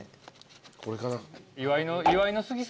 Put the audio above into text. これかな。